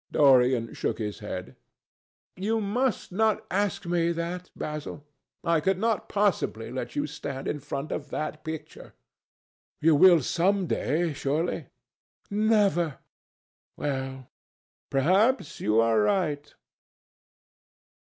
Dorian shook his head. "You must not ask me that, Basil. I could not possibly let you stand in front of that picture." "You will some day, surely?" "Never." "Well, perhaps you are right.